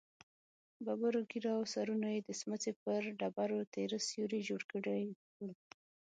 ببرو ږېرو او سرونو يې د سمڅې پر ډبرو تېره سيوري جوړ کړي ول.